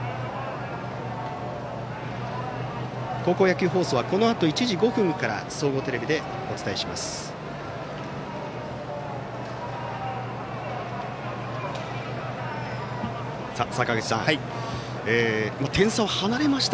高校野球放送はこのあと１時５分から総合テレビでお伝えします。